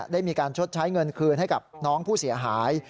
ได้มีการชดใช้เงินคืนให้กับน้องผู้เสียหาย